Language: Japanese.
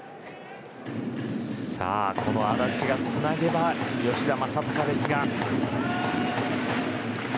さあ、この安達がつなげば吉田正尚ですが。